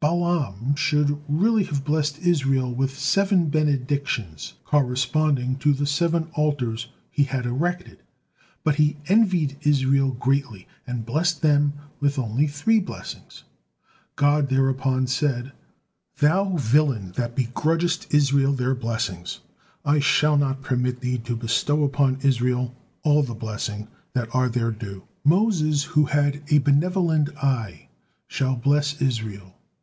Balaam should really have blessed Israel with seven benedictions, corresponding to the seven altars he had erected, but he envied Israel greatly, and blessed them with only three blessings. God thereupon said: "Thou villain that begrudgest Israel their blessings! I shall not permit thee to bestow upon Israel all the blessing that are their due. Moses, who had 'a benevolent eye,' shall bless Israel."